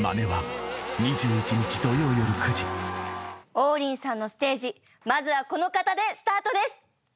王林さんのステージまずはこの方でスタートです！